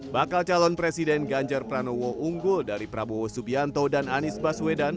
bakal calon presiden ganjar pranowo unggul dari prabowo subianto dan anies baswedan